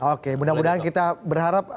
oke mudah mudahan kita berharap